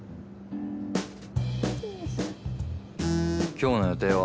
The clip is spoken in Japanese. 「今日の予定は？」